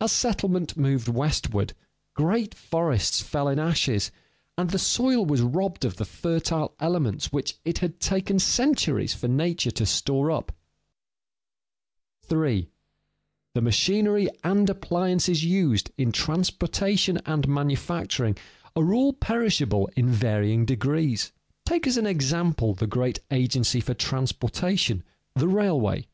As settlement moved westward, great forests fell in ashes, and the soil was robbed of the fertile elements which it had taken centuries for nature to store up. [Sidenote: Wearing out of the parts the railroad] 3. The machinery and appliances used in transportation and manufacturing are all perishable in varying degrees. Take as an example the great agency for transportation, the railway.